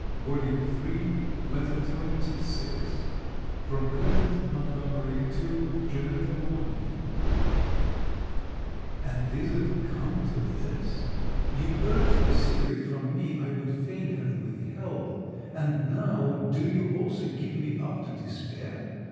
CAROLINE ASHBURN LETTER XXVI FROM CLEMENT MONTGOMERY TO JANETTA LAUNDY And is it come to this? You urged the secret from me I would fain have withheld; and now do you also give me up to despair?